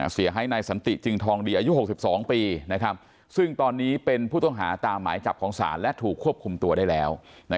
เสียหายนายสันติจึงทองดีอายุ๖๒ปีซึ่งตอนนี้เป็นผู้ต้องหาตามหมายจับของศาลและถูกควบคุมตัวได้แล้ว